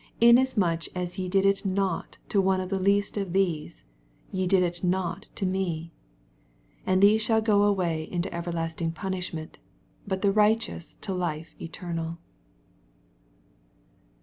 Inasmuch as ye dia it not to one of the leaat of these, ye did ii not to me. 46 And these shall go away into everlasting punishment : buttherigh* teous into life eternal.